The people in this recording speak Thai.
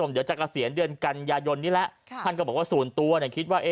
เดี๋ยวจะเกษียณเดือนกันยายนนี้แล้วท่านก็บอกว่าส่วนตัวคิดว่า